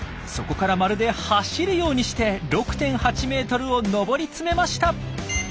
そこからまるで走るようにして６．８ｍを登り詰めました！